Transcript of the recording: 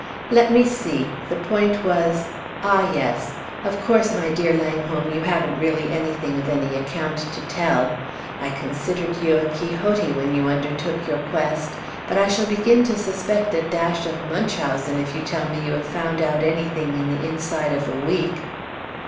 Let me see the point was ah, yes! Of course, my dear Langholm, you haven't really anything of any account to tell? I considered you a Quixote when you undertook your quest; but I shall begin to suspect a dash of Munchausen if you tell me you have found out anything in the inside of a week!"